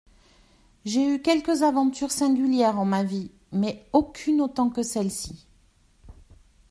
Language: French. J'ai eu quelques aventures singulières en ma vie, mais aucune autant que celle-ci.